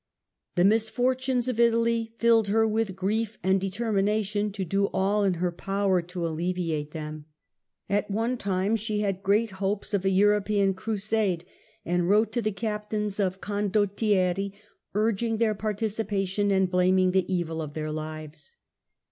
The misfortunes of Italy filled her with grief and deter mination to do all in her power to alleviate them. At one ITALY, 1313 1378 89 time she had great hopes of a European crusade, and wrote to the captains of condottieri urging their participation and blaming the evil of their lives.